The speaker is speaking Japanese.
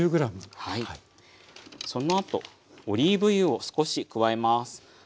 そのあとオリーブ油を少し加えます。